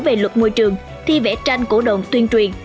về luật môi trường thi vẽ tranh cổ động tuyên truyền